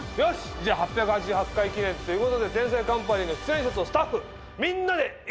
じゃあ８８８回記念ということで『天才‼カンパニー』の出演者とスタッフ。